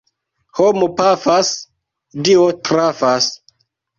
Homo pafas, Dio trafas.